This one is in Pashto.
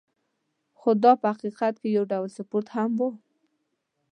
خو دا په حقیقت کې یو ډول سپورت هم و.